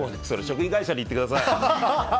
それ、食品会社に言ってください。